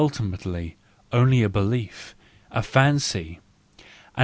timatel y only a belief, a fancy, whicbf?